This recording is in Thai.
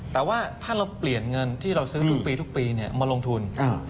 แต่ว่าถ้าเราเปลี่ยนเงินที่เราซื้อทุกปีทุกปีมาลงทุน